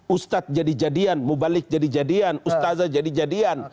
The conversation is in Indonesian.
ustadz jadi jadian mubalik jadi jadian ustazah jadi jadian